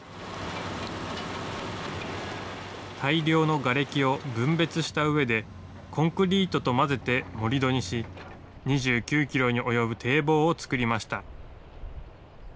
大量のがれきを分別したうえで、コンクリートと混ぜて盛り土にし、２９キロに及ぶ堤防を造りました。